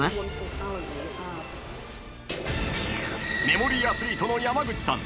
［メモリーアスリートの山口さん